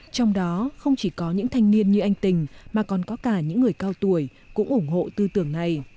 trong đó không chỉ có những thanh niên như anh tình mà còn có cả những người cao tuổi cũng ủng hộ tư tưởng này